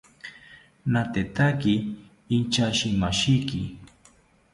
Natekaki inchashimashiki